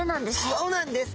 そうなんです。